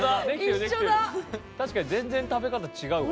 確かに全然食べ方違うわ。